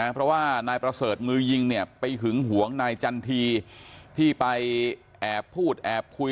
เพราะว่านายประเสริฐมือยิงเนี่ยไปหึงหวงนายจันทีที่ไปแอบพูดแอบคุย